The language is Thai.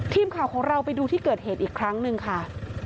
ทีมข่าวของเราไปดูที่เกิดเหตุอีกครั้งหนึ่งค่ะ